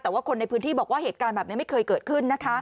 แต่ว่าคนในพื้นที่บอกว่าเหตุการณ์แบบนี้ไม่เคยเกิดขึ้นนะคะ